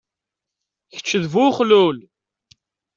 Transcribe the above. Keč d bu uxlul.